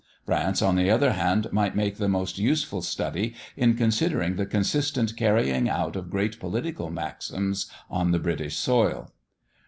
France, on the other hand, might make the most useful study in considering the consistent carrying out of great political maxims on the British soil.